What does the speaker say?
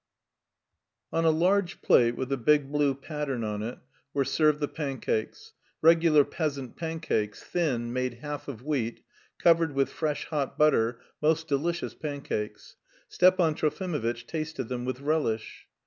On a large plate with a big blue pattern on it were served the pancakes regular peasant pancakes, thin, made half of wheat, covered with fresh hot butter, most delicious pancakes. Stepan Trofimovitch tasted them with relish.